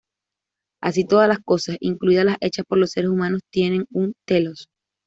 Así todas las cosas, incluidas las hechas por los seres humanos tienen un "telos".